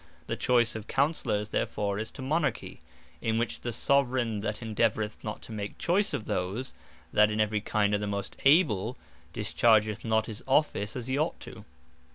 The choyce of Counsellours therefore is to Monarchy; In which, the Soveraign that endeavoureth not to make choyce of those, that in every kind are the most able, dischargeth not his Office as he ought to do.